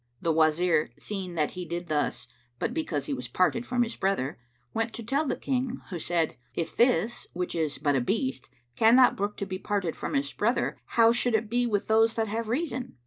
The Wazir, seeing that he did thus but because he was parted from his brother, went to tell the King, who said, "If this, which is but a beast, cannot brook to be parted from his brother, how should it be with those that have reason?"